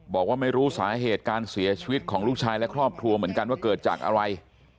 บอกว่าไม่รู้สาเหตุการเสียชีวิตของลูกชายและครอบครัวเหมือนกันว่าเกิดจากอะไร